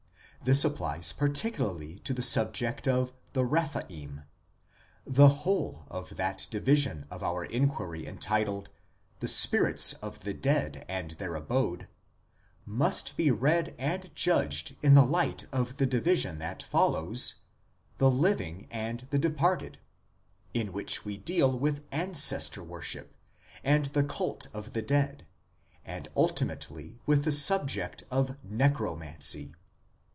This applies particularly to the subject of the Eephaim ; the whole of that division of our inquiry entitled " The Spirits of the Dead and their Abode " must be read and judged in the light of the division that follows, " The Living and the Departed," in which we deal with Ancestor worship and the cult of the dead, and ultimately with the subject of Necromancy.